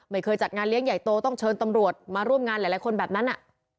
ไม่เคยจัดงานเลี้ยงใหญ่โตต้องเชิญตำรวจมาร่วมงานหลายคนแบบนั้น